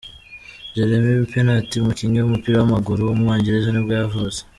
Jermaine Pennant, umukinnyi w’umupira w’amaguru w’umwongereza nibwo yavutse.